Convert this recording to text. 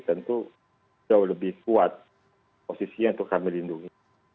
tentu jauh lebih kuat posisinya untuk kami lindungi